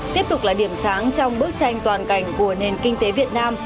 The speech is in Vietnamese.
tiếp tục là điểm sáng trong bức tranh toàn cảnh của nền kinh tế việt nam